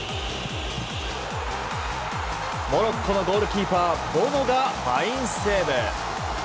モロッコのゴールキーパーボノがファインセーブ。